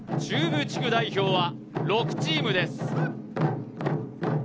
中部地区代表は６チームです。